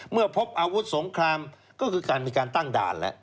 เมื่อพบอาวุธสงครามก็คือการมีการตั้งด่านแล้ว